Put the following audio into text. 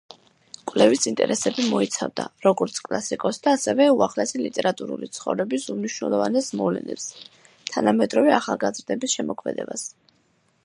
კვლევის ინტერესები მოიცავდა, როგორც კლასიკოსთა, ასევე უახლესი ლიტერატურული ცხოვრების უმნიშვნელოვანეს მოვლენებს, თანამედროვე ახალგაზრდების შემოქმედებას.